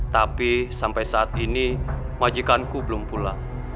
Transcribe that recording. tapi sampai saat ini majikanku belum pulang